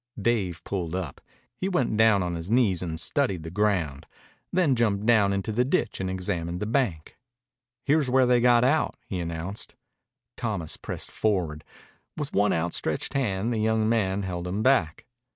Dave pulled up. He went down on his knees and studied the ground, then jumped down into the ditch and examined the bank. "Here's where they got out," he announced. Thomas pressed forward. With one outstretched hand the young man held him back.